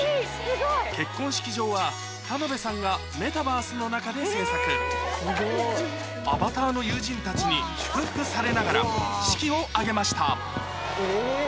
結婚式場は田名部さんがメタバースの中で制作アバターの友人たちに祝福されながら式を挙げました